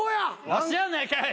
「わしやないかい」